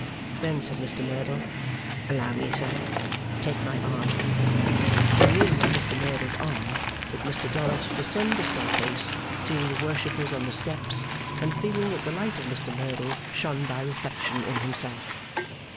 Then said Mr Merdle, 'Allow me, sir. Take my arm!' Then leaning on Mr Merdle's arm, did Mr Dorrit descend the staircase, seeing the worshippers on the steps, and feeling that the light of Mr Merdle shone by reflection in himself.